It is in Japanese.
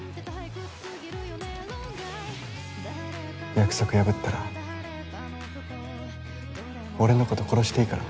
約束破ったら俺のこと殺していいから。